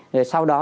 rồi sau đó